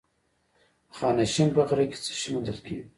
د خانشین په غره کې څه شی موندل کیږي؟